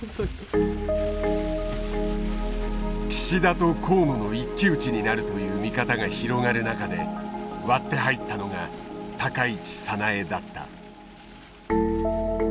岸田と河野の一騎打ちになるという見方が広がる中で割って入ったのが高市早苗だった。